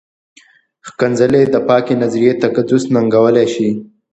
ښکنځلې د پاکې نظریې تقدس ننګولی شي.